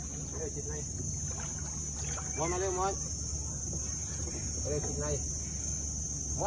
น้ำมันเป็นสิ่งที่สุดท้ายที่สามารถทำให้ทุกคนรู้สึกว่า